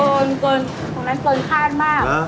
ตรงนั้นเกินคาดมาก